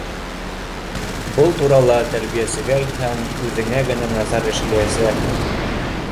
Был турала тәрбиәсегә әйтһәң, үҙеңә генә насар эшләйәсәкһең.